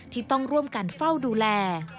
ที่ต้องร่วมกันเฝ้าดูแล